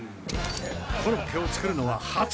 コロッケを作るのは初！